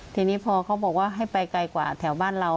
ทีนี้พอเขาบอกว่าให้ไปไกลกว่าแถวบ้านเรา